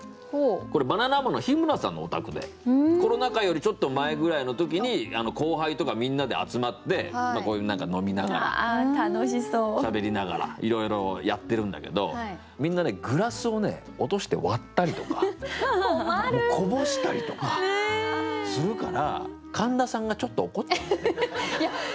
これバナナマンの日村さんのお宅でコロナ禍よりちょっと前ぐらいの時に後輩とかみんなで集まってこういう何か飲みながらしゃべりながらいろいろやってるんだけどみんなねグラスを落として割ったりとかこぼしたりとかするから神田さんがちょっと怒っちゃうみたいで。